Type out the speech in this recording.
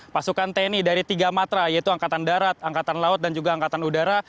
pasukan tni dari tiga matra yaitu angkatan darat angkatan laut dan juga angkatan udara